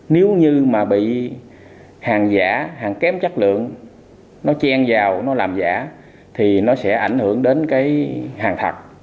nếu như mà bị hàng giả hàng kém chất lượng nó chen vào nó làm giả thì nó sẽ ảnh hưởng đến cái hàng thạch